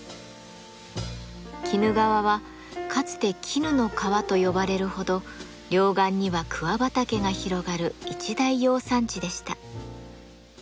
鬼怒川はかつて絹の川と呼ばれるほど両岸には桑畑が広がる一大養蚕地でした。